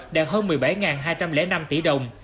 đạt hơn một mươi bảy hai trăm linh năm tỷ đồng